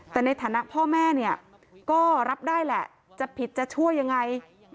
แต่ในฐานะพ่อแม่เนี่ยก็รับได้แหละจะผิดจะช่วยยังไง